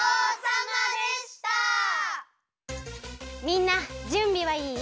みんなじゅんびはいい？